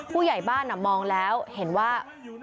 ผู้ใหญ่บ้านมองแล้วเห็นว่า